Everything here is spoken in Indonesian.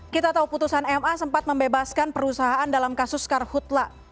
kita tahu putusan ma sempat membebaskan perusahaan dalam kasus karhutla